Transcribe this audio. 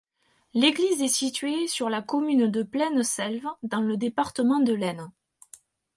L'église est située sur la commune de Pleine-Selve, dans le département de l'Aisne.